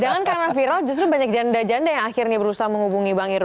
jangan karena viral justru banyak janda janda yang akhirnya berusaha menghubungi bang irul